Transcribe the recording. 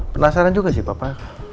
penasaran juga sih papa